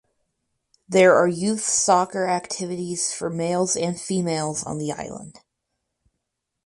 There are youth soccer activities for males and females on the island.